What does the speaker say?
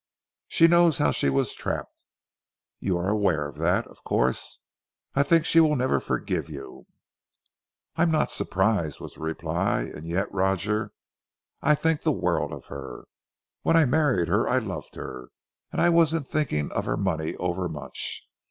"She knows how she was trapped you are aware of that, of course? I think she will never forgive you." "I'm not surprised," was the reply, "and yet, Roger, I think the world of her. When I married her I loved her and I wasn't thinking of her money overmuch.